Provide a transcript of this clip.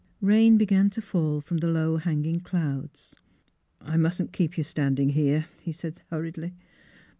Rain began to fall from the low hanging clouds. " I mustn't keep you standing here," he said hurriedly.